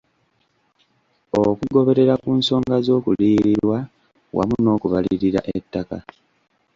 Okugoberera ku nsonga z'okuliyirirwa wamu n'okubalirira ettaka.